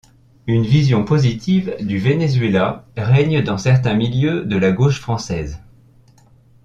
Une vision positive du Venezuela règne dans certains milieux de la gauche française.